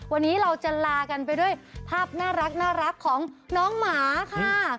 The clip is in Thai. วันนี้เราจะลากันไปด้วยภาพน่ารักของน้องหมาค่ะ